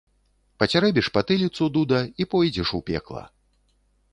Пацярэбіш патыліцу, дуда, і пойдзеш у пекла.